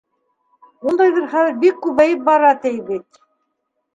Ундайҙар хәҙер бик күбәйеп бара, ти, бит.